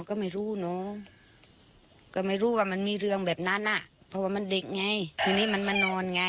ก็ไม่รู้เนาะก็ไม่รู้ว่ามันมีเรื่องแบบนั้นเพราะว่ามันเด็กไง